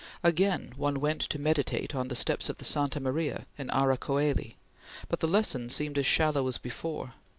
Again one went to meditate on the steps of the Santa Maria in Ara Coeli, but the lesson seemed as shallow as before.